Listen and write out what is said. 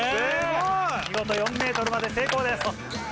見事４ｍまで成功です。